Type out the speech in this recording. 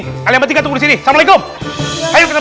ya allah kok bisa begini sih